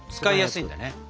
使いやすいんだね。